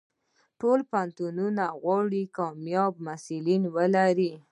ټول پوهنتونونه غواړي کامیاب محصلین ولري.